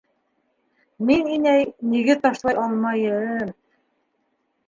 Мин, инәй, нигеҙ ташлай алмайым...